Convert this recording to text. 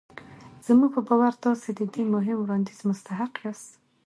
زموږ په باور تاسې د دې مهم وړانديز مستحق ياست.